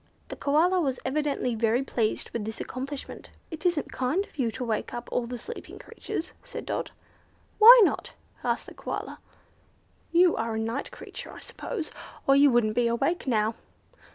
The Koala was evidently very pleased with this accomplishment. "It isn't kind of you to wake up all the sleeping creatures," said Dot. "Why not?" asked the Koala. "You are a night creature, I suppose, or you wouldn't be awake now.